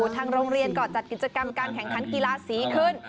ทางโรงเรียนก็จัดกิจกรรมการแข่งขันกีฬาสีขึ้น